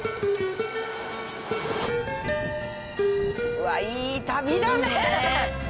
うわっいい旅だね。